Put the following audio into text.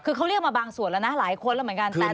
คือเขาเรียกมาบางส่วนแล้วนะหลายคนแล้วเหมือนกัน